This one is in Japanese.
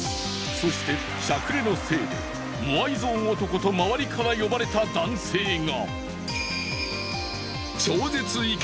そしてシャクレのせいでモアイ像男と周りから呼ばれた男性が。